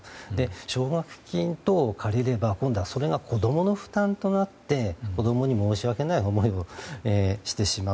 奨学金等を借りれば今度はそれが子供の負担となって子供に対して申し訳ない思いをしてしまう。